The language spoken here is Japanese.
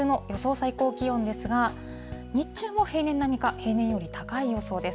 最高気温ですが、日中も平年並みか、平年より高い予想です。